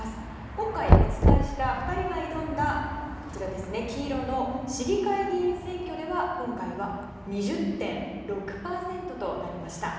今回、お伝えした２人が挑んだ黄色の市議会議員選挙では今回は２０．６％となりました。